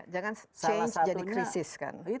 jangan sains jadi krisis kan